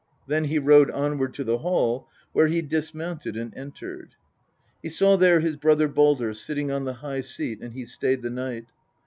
Then he rode onward to the hall, where he dismounted and entered. He saw there his brother Baldr sitting on the high seat, and he stayed the night.